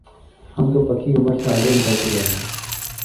ہم تو پکی عمر سے آگے نکل چکے ہیں۔